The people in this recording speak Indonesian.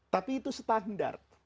tapi itu standar